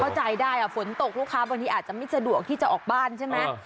เข้าใจได้ฝนตกลูกค้าบางทีอาจจะไม่สะดวกที่จะออกบ้านใช่ไหม